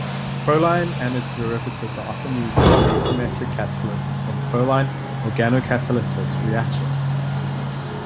Proline and its derivatives are often used as asymmetric catalysts in proline organocatalysis reactions.